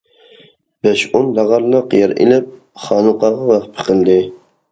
بەش- ئون تاغارلىق يەر ئېلىپ خانىقاغا ۋەخپە قىلدى.